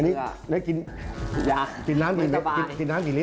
อันนี้ได้กินน้ำกี่ลิตรนี่เป็นรมพี่อ๋อเป็นรมเหรอ